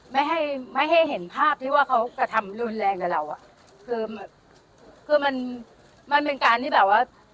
ไม่ให้ไม่ให้เห็นภาพที่ว่าเขากระทำรุนแรงกับเราอ่ะคือแบบคือมันมันเป็นการที่แบบว่า